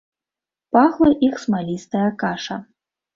Пахла іх смалістая каша.